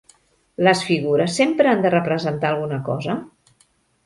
¿Les figures sempre han de representar alguna cosa?